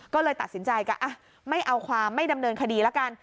ก็เลยตัดสินใจก็ไม่เอาความไม่ดำเนินคดีแล้วกัน